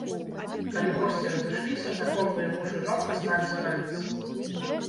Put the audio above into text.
Калі госці разышліся, законныя муж і жонка сталі сварыцца.